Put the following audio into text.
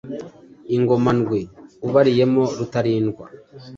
Ingoma ndwi ubariyemo Rutalindwa,